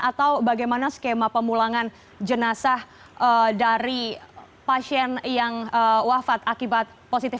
atau bagaimana skema pemulangan jenazah dari pasien yang wafat akibat positif